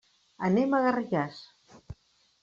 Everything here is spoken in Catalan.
Anem a Garrigàs.